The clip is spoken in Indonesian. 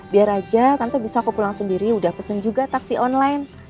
biar aja tante bisa aku pulang sendiri udah pesen juga taksi online